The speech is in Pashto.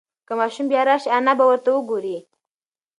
که ماشوم بیا راشي انا به ورته وگوري.